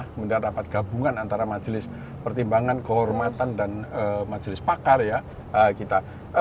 kemudian rapat gabungan antara majelis pertimbangan kehormatan dan majelis pakar ya kita